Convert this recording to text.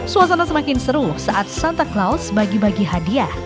suasana semakin seru saat santa claus bagi bagi hadiah